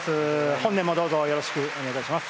本年もどうぞよろしくお願いいたします。